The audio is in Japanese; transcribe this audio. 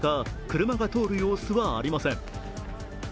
車が通る様子はありません。